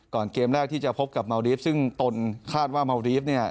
เกมแรกที่จะพบกับเมาดีฟซึ่งตนคาดว่าเมาดีฟเนี่ย